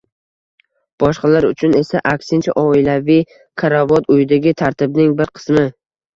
boshqalar uchun esa aksincha, oilaviy karavot uydagi tartibning bir qismi.